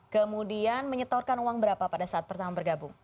kemudian menyetorkan uang berapa pada saat pertama bergabung